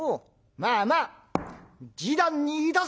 まあまあ示談にいたせ。